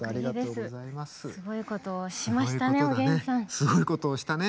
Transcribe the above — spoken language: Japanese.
すごいことをしたね。